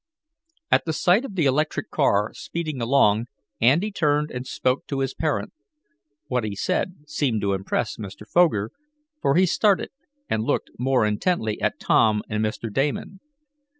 At the sight of the electric car, speeding along, Andy turned and spoke to his parent. What he said seemed to impress Mr. Foger, for he started, and looked more intently at Tom and Mr. Damon.